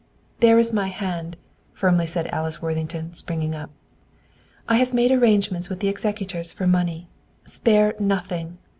"There's my hand," firmly said Alice Worthington, springing up. "I have made arrangements with the executors for money. Spare nothing!